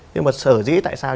nhưng mà sở dĩ tại sao